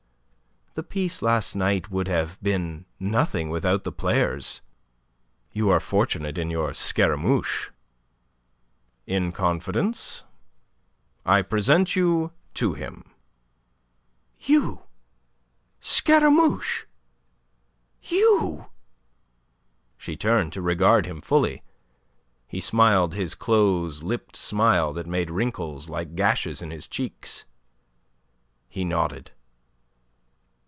The piece last night would have been nothing without the players. You are fortunate in your Scaramouche." "In confidence I present you to him." "You Scaramouche? You?" She turned to regard him fully. He smiled his close lipped smile that made wrinkles like gashes in his cheeks. He nodded.